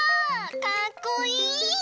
かっこいい！